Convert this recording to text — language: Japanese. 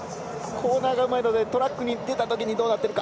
コーナーがうまいのでトラックに出たときにどうなっているか。